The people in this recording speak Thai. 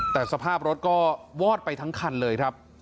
แต่สภาพรถก็วอดไปทั้งคันเลยครับ